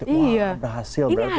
wah berhasil berarti kan